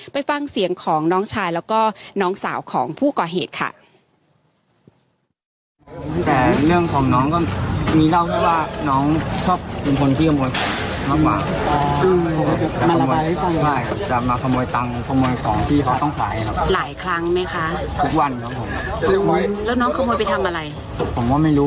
ไปฟังเสียงของน้องชายแล้วก็น้องสาวของผู้ก่อเหตุค่ะแต่เรื่องของน้องก็มีเล่าเพราะว่าน้องชอบเป็นคนที่ขโมยของมากมาก